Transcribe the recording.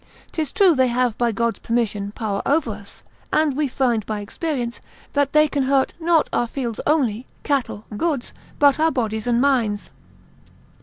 'Tis true they have, by God's permission, power over us, and we find by experience, that they can hurt not our fields only, cattle, goods, but our bodies and minds.